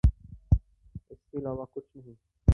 اس کے علاوہ کچھ نہیں۔